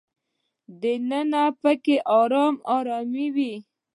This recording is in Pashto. دننه په کې ارامه ارامي وي.